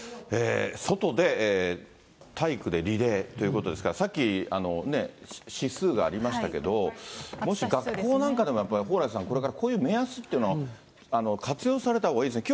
外で体育でリレーということですから、さっき、指数がありましたけど、もし学校なんかでも蓬莱さん、これからこういう目安というのを活用されたほうがいいですね。